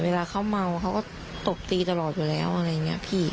เวลาเขาเมาเขาก็ตบตีตลอดอยู่แล้วอะไรอย่างนี้พี่